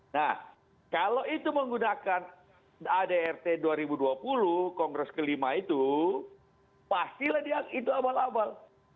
nah kalau itu menggunakan adrt dua ribu dua puluh kongres kelima itu pastilah dia itu abal abal